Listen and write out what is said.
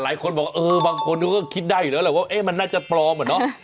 หลายคนบอกเออบางคนก็คิดได้อยู่แล้วแหละว่ามันน่าจะปลอมอะเนาะ